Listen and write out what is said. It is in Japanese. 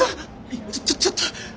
ちょちょっと。